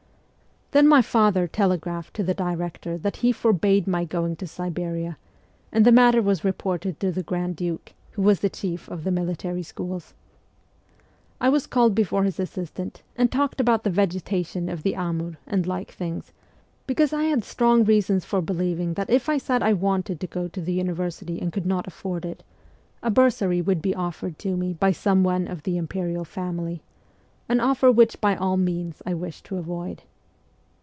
Then my father telegraphed to the director that he forbade my going to Siberia, and the matter was re ported to the grand duke, who was the chief of the military schools. I was called before his assistant, and talked about the vegetation of the Amur and like things, because I had strong reasons for believing that if T said I wanted to go to the university and could not afford it, a bursary would be offered to me by some one of the imperial family an offer w r hich by all means I wished to avoid.